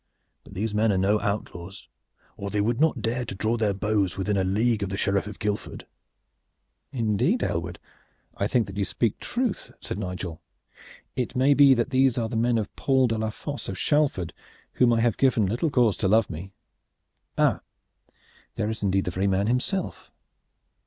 But these men are no outlaws, or they would not dare to draw their bows within a league of the sheriff of Guildford." "Indeed, Aylward, I think that you speak truth," said Nigel. "It may be that these are the men of Paul de la Fosse of Shalford, whom I have given little cause to love me. Ah! there is indeed the very man himself."